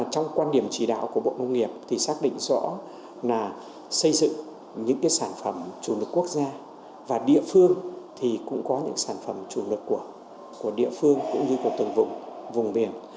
trong quan điểm chỉ đạo của bộ nông nghiệp thì xác định rõ là xây dựng những sản phẩm chủ lực quốc gia và địa phương thì cũng có những sản phẩm chủ lực của địa phương cũng như của từng vùng vùng biển